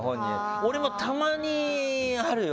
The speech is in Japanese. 俺もたまにあるよ。